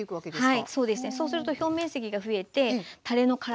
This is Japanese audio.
はい。